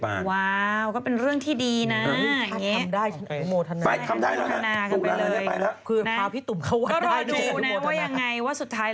พาพี่ตุ่มเขาวัดด้วย